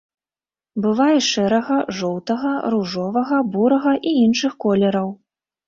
Бывае шэрага, жоўтага, ружовага, бурага і іншых колераў.